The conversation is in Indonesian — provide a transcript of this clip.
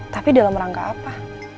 tapi dalam rangka apa